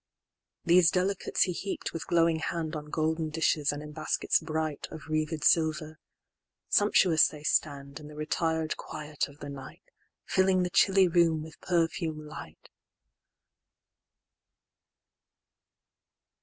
XXXI.These delicates he heap'd with glowing handOn golden dishes and in baskets brightOf wreathed silver: sumptuous they standIn the retired quiet of the night, Filling the chilly room with perfume light.